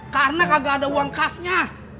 karena kagak ada uang khasnya